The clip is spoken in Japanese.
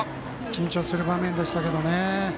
緊張する場面でしたけどね。